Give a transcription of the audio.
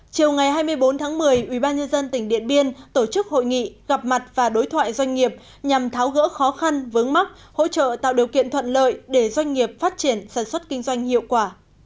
chiều ngày hai mươi bốn tháng một mươi ubnd tỉnh điện biên tổ chức hội nghị gặp mặt và đối thoại doanh nghiệp nhằm tháo gỡ khó khăn vướng mắc hỗ trợ tạo điều kiện thuận lợi để doanh nghiệp phát triển sản xuất kinh doanh hiệu quả